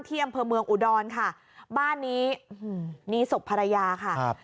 อำเภอเมืองอุดรค่ะบ้านนี้นี่ศพภรรยาค่ะครับ